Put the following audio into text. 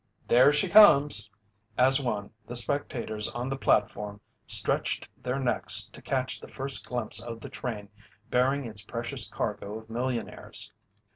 "There she comes!" As one, the spectators on the platform stretched their necks to catch the first glimpse of the train bearing its precious cargo of millionaires.